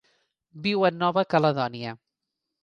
Viu a Nova Caledònia.